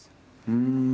うん。